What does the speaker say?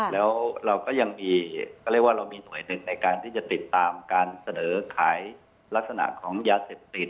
แล้วเราก็ยังมีเรื่องแหละการที่จะติดตามการเสนอขายลักษณะยาเสบติด